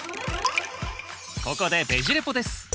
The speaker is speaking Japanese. ここでベジ・レポです。